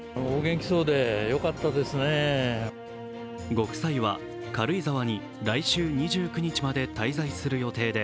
ご夫妻は軽井沢に来週２９日まで滞在する予定で